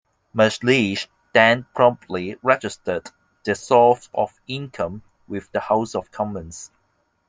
McLeish then promptly registered the source of income with the House of Commons.